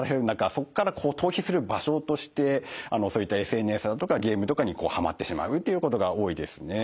そこから逃避する場所としてそういったＳＮＳだとかゲームとかにはまってしまうっていうことが多いですね。